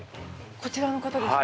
こちらの方ですか？